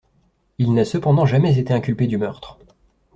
Il n'a cependant jamais été inculpé du meurtre.